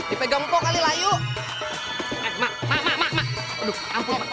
dipegang kok kali lain